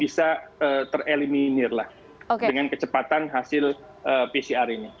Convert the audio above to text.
bisa tereliminir lah dengan kecepatan hasil pcr ini